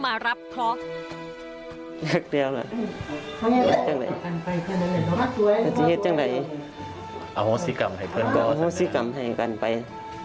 เอาโฆษิกรรมให้เพื่อนก่อนสักหน่อยนะครับอืม